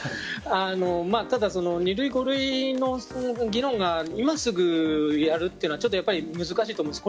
ただ、２類・５類の議論が今すぐやるというのは難しいと思います。